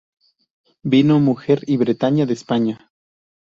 vino, mujer y Bretaña, de España.